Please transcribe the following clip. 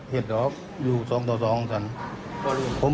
หนูต่อทองครั้ง